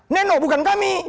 neno bukan kami